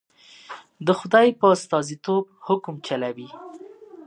د خدای په استازیتوب حکم چلوي.